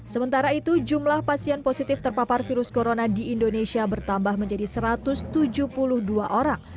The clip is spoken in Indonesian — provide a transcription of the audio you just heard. sementara itu jumlah pasien positif terpapar virus corona di indonesia bertambah menjadi satu ratus tujuh puluh dua orang